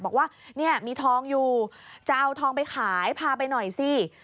บอกว่าเนี่ยมีทองอยู่จะเอาทองไปขายพาไปหน่อยสิ